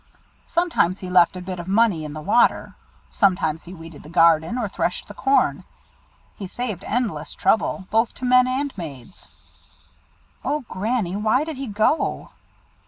Sometimes he left a bit of money in the water. Sometimes he weeded the garden, or threshed the corn. He saved endless trouble, both to men and maids." "O Granny! why did he go?"